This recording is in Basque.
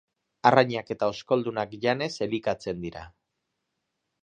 Arrainak eta oskoldunak janez elikatzen dira.